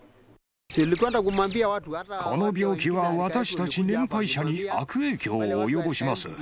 この病気は、私たち年配者に悪影響を及ぼします。